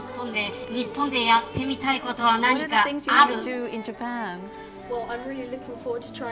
初めての日本で日本でやってみたいことは何かある。